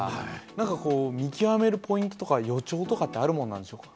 なんかこう、見極めるポイントとか予兆とかってあるものなんでしょうか。